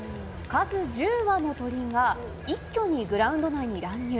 数１０羽の鳥が一気にグラウンド内に乱入。